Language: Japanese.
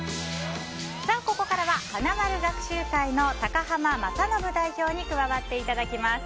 ここからは花まる学習会の高濱正伸代表に加わっていただきます。